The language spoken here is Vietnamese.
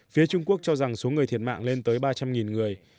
phía trung quốc cho rằng số người thiệt mạng lên tới ba trăm linh người